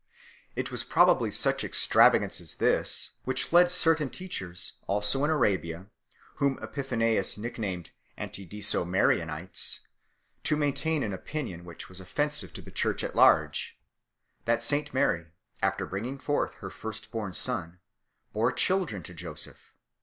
It was probably such extravagance as this which led certain teachers, also in Arabia, whom Epiphanius nick named Antidicomarianites 5 , to maintain an opinion which was offensive to the Church at large that St Mary, after bringing forth her first born 6 Son, bore children to Joseph.